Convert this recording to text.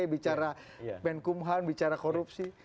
bicara ben kumhan bicara korupsi